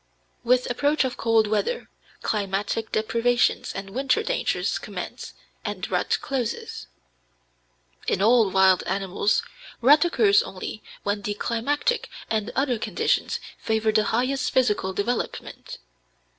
With approach of cold weather, climatic deprivations and winter dangers commence and rut closes. In all wild animals, rut occurs only when the climatic and other conditions favor the highest physical development.